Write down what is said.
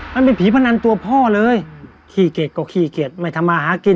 มันเป็นผีพนันตัวพ่อเลยขี้เกียจก็ขี้เกียจไม่ทำมาหากิน